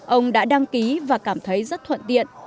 ông đã đăng ký và cảm thấy rất thuận tiện